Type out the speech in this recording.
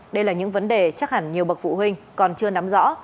đây là những vấn đề chắc hẳn nhiều bậc phụ huynh còn chưa nắm rõ